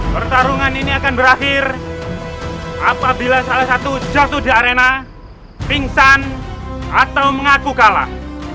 pertarungan ini akan berakhir apabila salah satu jatuh di arena pingsan atau mengaku kalah